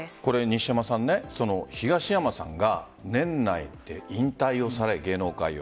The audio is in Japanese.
西山さん、これ、東山さんが年内で引退をされ、芸能界を。